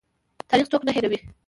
تاریخ څوک نه هیروي؟